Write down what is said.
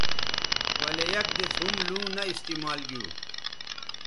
ولے یک دِس ھم لوں نہ استعمال گیو